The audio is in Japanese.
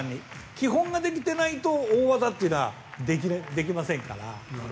基本ができていないと大技というのはできませんから。